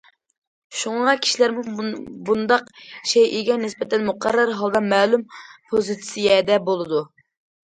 شۇڭا كىشىلەرمۇ بۇنداق شەيئىگە نىسبەتەن مۇقەررەر ھالدا مەلۇم پوزىتسىيەدە بولىدۇ.